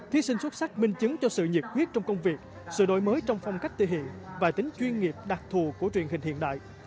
thí sinh xuất sắc minh chứng cho sự nhiệt huyết trong công việc sự đổi mới trong phong cách thể hiện và tính chuyên nghiệp đặc thù của truyền hình hiện đại